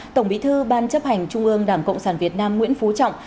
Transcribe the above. tổng bí thư ban chấp hành trung ương đảng cộng sản việt nam nguyễn phú trọng